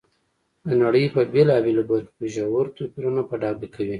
د نړۍ په بېلابېلو برخو کې ژور توپیرونه په ډاګه کوي.